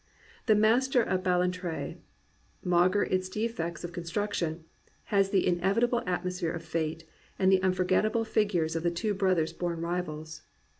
The Master of Ballantraey maugre its defects of construction, has the inevitable atmosphere of fate, and the unforgettable figures of the two brothers, born rivals.